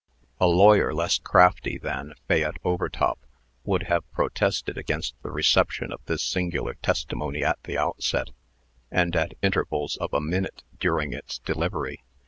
A lawyer less crafty than Fayette Overtop would have protested against the reception of this singular testimony at the outset, and at intervals of a minute during its delivery.